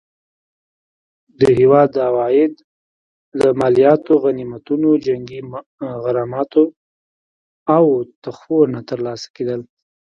د هیواد عواید له مالیاتو، غنیمتونو، جنګي غراماتو او تحفو نه ترلاسه کېدل.